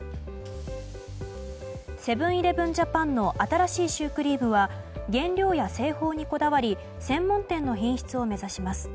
セブン‐イレブン・ジャパンの新しいシュークリームは原料や製法にこだわり専門店の品質を目指します。